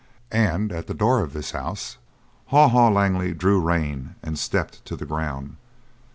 And at the door of this house Haw Haw Langley drew rein and stepped to the ground.